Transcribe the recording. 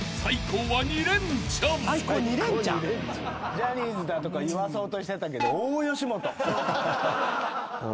ジャニーズだとかいわそうとしてたけど。